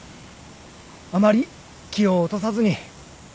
あまり気を落とさずに。